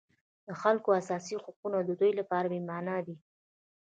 د خلکو اساسي حقونه د دوی لپاره بېمعنا دي.